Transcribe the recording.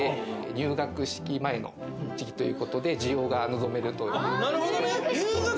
入学式前の時期ということで需要が望めるという。